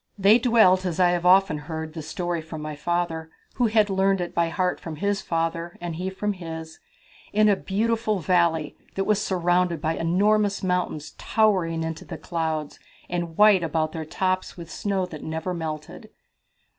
"They dwelt as I have often heard the story from my father, who had learned it by heart from his father, and he from his in a beautiful valley that was surrounded by enormous mountains towering into the clouds and white about their tops with snow that never melted.